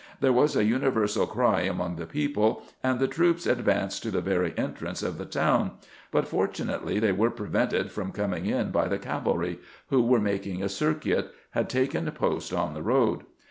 There was a universal cry among the people, and the troops advanced to the very entrance of the town ; but, fortunately, they were prevented from coming in by the cavalry, who, by making a circuit, had taken post on the road.